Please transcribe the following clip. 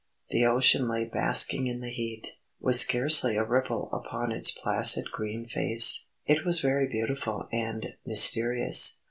The ocean lay basking in the heat, with scarcely a ripple upon its placid green face. It was very beautiful and mysterious.